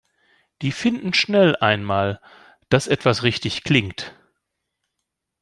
Die finden schnell einmal, dass etwas richtig klingt.